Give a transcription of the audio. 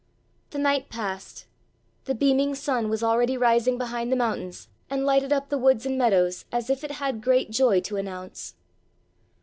The night passed. The beaming sun was already rising behind the mountains and lighted up the woods and meadows, as if it had great joy to announce.